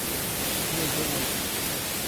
ⵎⴰ ⵉⴳⴰ ⵡⴰⴷ?